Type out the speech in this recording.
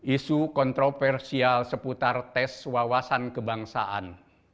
isu kontroversial seputar tes wawasan kebangsaan